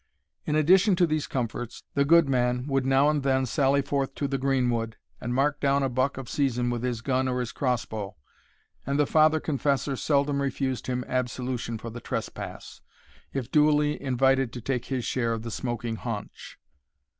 In addition to these comforts, the good man would now and then sally forth to the greenwood, and mark down a buck of season with his gun or his cross bow; and the Father Confessor seldom refused him absolution for the trespass, if duly invited to take his share of the smoking haunch.